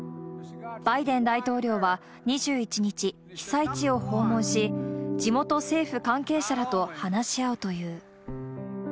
バイデン大統領は２１日、被災地を訪問し、地元政府関係者らと話し合うという。